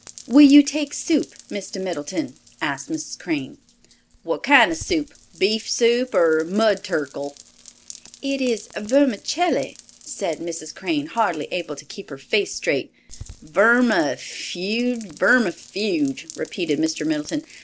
"Will you take soup, Mr. Middleton?" asked Mrs. Crane. "What kind of soup? Beef soup, or mud turkle?" "It is vermicelli," said Mrs. Crane, hardly able to keep her face straight. "Vermifuge—vermifuge," repeated Mr. Middleton.